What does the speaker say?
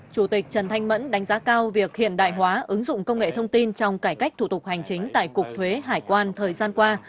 chủ tịch trần thanh mẫn đánh giá cao việc hiện đại hóa ứng dụng công nghệ thông tin trong cải cách thủ tục hành chính tại cục thuế hải quan thời gian qua